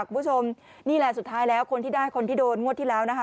คุณผู้ชมนี่แหละสุดท้ายแล้วคนที่ได้คนที่โดนงวดที่แล้วนะคะ